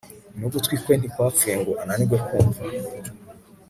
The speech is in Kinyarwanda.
n'ugutwi kwe ntikwapfuye ngo ananirwe kumva